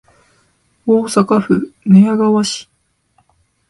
大阪府寝屋川市